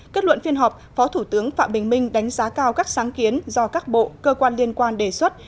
kết luận phiên họp phó thủ tướng phạm bình minh đánh giá cao các sáng kiến do các bộ cơ quan liên quan đề xuất